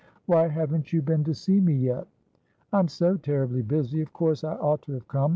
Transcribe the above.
"Why haven't you been to see me yet?" "I'm so terribly busy. Of course I ought to have come.